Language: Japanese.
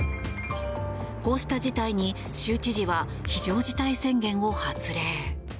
こうした事態に州知事は非常事態宣言を発令。